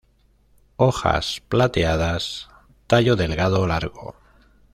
Hojas plateadas, tallo delgado, largo.